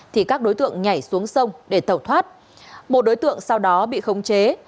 thì các đối tượng nhảy xuống sông để tẩu thoát một đối tượng sau đó bị khống chế